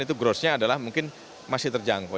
itu grossnya adalah mungkin masih terjangkau